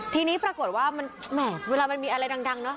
ทีนี้ปรากฏว่าเวลามันมีอะไรดังนะ